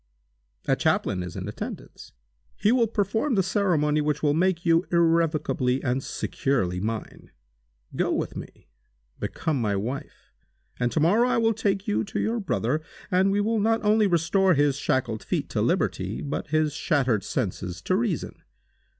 A chaplain is in attendance. He will perform the ceremony which will make you irrevocably and securely mine. Go with me. Become my wife, and to morrow I will take you to your brother, and we will not only restore his shackled feet to liberty, but his shattered senses to reason.